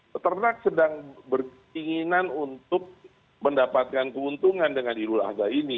peternak sedang berkeinginan untuk mendapatkan keuntungan dengan idul adha ini